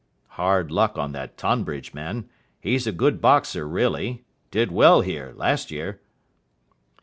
"Hard luck on that Tonbridge man. He's a good boxer, really. Did well here last year."